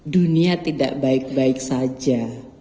dunia tidak baik baik saja